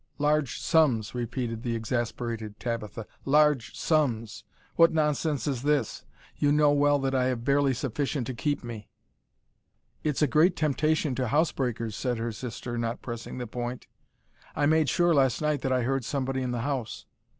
"Large sums!" repeated the exasperated Tabitha, "large sums! what nonsense is this? You know well that I have barely sufficient to keep me." "It's a great temptation to housebreakers," said her sister, not pressing the point. "I made sure last night that I heard somebody in the house."